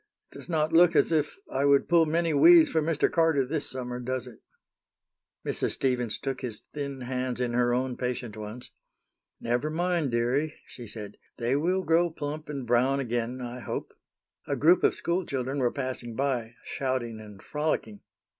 It does not look as if I would pull many weeds for Mr. Carter this summer, does it?" Mrs. Stevens took his thin hands in her own patient ones. "Never mind, dearie," she said, "they will grow plump and brown again, I hope." A group of school children were passing by, shouting and frolicking.